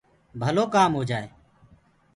ڀلو ڪآم هوجآئي